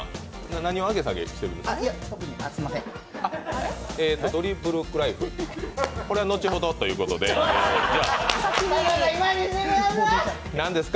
何を上げ下げしてるんですか？